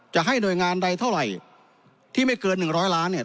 จะให้หน่วยงานใดเท่าไหร่ที่ไม่เกิน๑๐๐ล้านเนี่ย